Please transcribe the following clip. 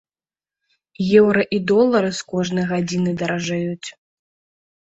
Еўра і долары з кожнай гадзінай даражэюць.